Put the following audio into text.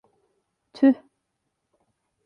Tüh.